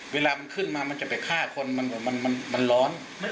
เวลามันขึ้นมามันจะไปฆ่าคนมันร้อน